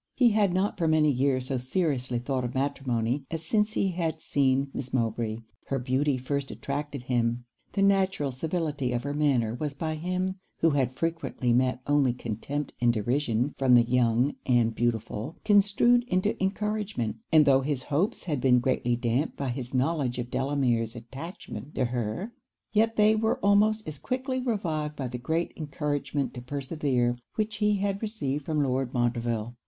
He had not for many years so seriously thought of matrimony as since he had seen Miss Mowbray. Her beauty first attracted him: the natural civility of her manner was by him, who had frequently met only contempt and derision from the young and beautiful, construed into encouragement; and though his hopes had been greatly damped by his knowledge of Delamere's attachment to her, yet they were almost as quickly revived by the great encouragement to persevere, which he had received from Lord Montreville.